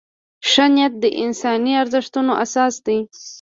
ښه نیت د انساني ارزښتونو اساس دی.